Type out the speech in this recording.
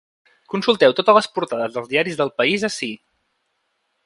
Consulteu totes les portades dels diaris del país ací.